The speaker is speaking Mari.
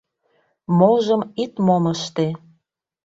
Можым ит мом ыште!